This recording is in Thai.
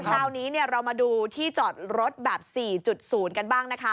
คราวนี้เรามาดูที่จอดรถแบบ๔๐กันบ้างนะคะ